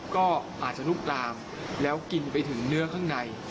ก็อาจจะลุกลามแล้วกินไปถึงเนื้อข้างใน